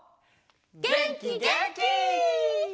げんきげんき！